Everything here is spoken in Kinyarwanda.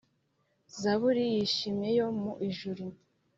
zaburi yishimye, yo mu ijuru;